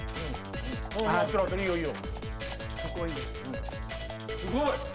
すごい！